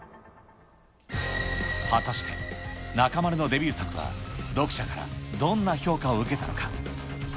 果たして中丸のデビュー作が読者からどんな評価を受けたのか。